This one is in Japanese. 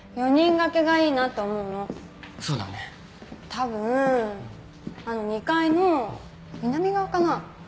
たぶんあの２階の南側かな？